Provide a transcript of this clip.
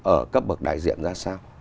ở cấp bậc đại diện ra sao